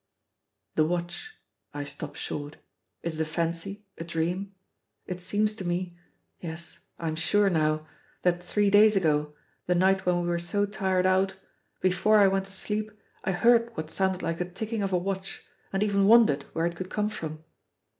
The watch I stop short is it a fancy, a dream? It seems to me yes, I am sure now that three days ago, the night when we were so tired out, before I went to sleep I heard what sounded like the ticking of a watch and even wondered where it could come from.